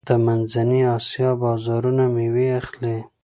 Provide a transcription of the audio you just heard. د منځنۍ اسیا بازارونه میوې اخلي.